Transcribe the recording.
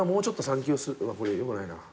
うわっこれよくないな。